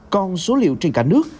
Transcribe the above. còn số liệu trên cả nước